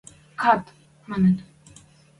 – Кад! – маныт.